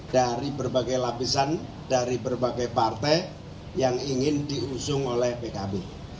dari berbagai lapisan dari berbagai partai yang ingin diusung oleh pkb